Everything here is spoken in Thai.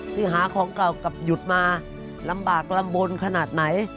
ที่หาของเก่ากับหยุดมาลำบากลำบลขนาดไหน